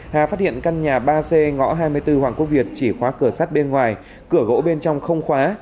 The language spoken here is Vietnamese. hà phát hiện căn nhà ba c ngõ hai mươi bốn hoàng quốc việt chỉ khóa cửa sát bên ngoài cửa gỗ bên trong không khóa